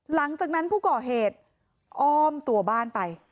หลังจากนั้นผู้ก่อเหตุอ้อมตัวบ้านไป